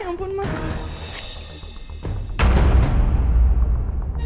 ya ampun makasih